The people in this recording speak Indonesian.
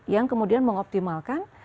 yang kemudian mengoptimalkan